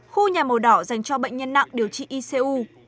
khu nhà màu đỏ dành cho bệnh nhân nặng điều trị icu